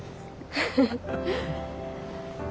フフフ！